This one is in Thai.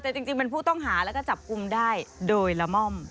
แต่จริงเป็นผู้ต้องหาแล้วก็จับกลุ่มได้โดยละม่อม